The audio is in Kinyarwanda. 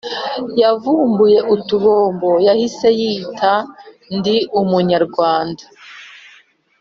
Yavumbuye utubombo yahise yita ndi umunyarwanda